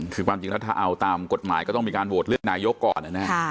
คือความจริงแล้วถ้าเอาตามกฎหมายก็ต้องมีการโหวตเลือกนายกก่อนนะครับ